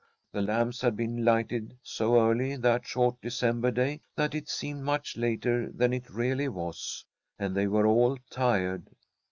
The lamps had been lighted so early that short December day that it seemed much later than it really was, and they were all tired.